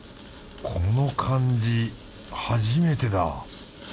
この感じ初めてだ。